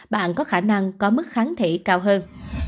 bạn có khả năng có mức kháng thể cao hơn